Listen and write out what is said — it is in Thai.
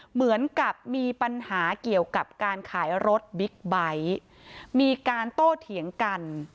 เหมือนกับมีปัญหาเกี่ยวกับการขายรถบิ๊กไบท์มีการโต้เถียงกัน